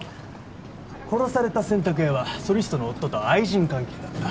殺された洗濯屋はソリストの夫と愛人関係だった。